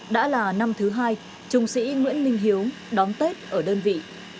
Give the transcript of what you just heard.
đã là năm thứ hai trung sĩ nguyễn minh hiếu đón tết ở đơn vị